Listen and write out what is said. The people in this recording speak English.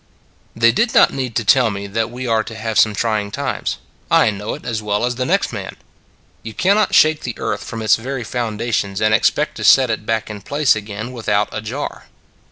They did not need to tell me that we are to have some trying times : I know it as well as the next man. You cannot shake the earth from its very foundations, and expect to set it back in place again without a jar.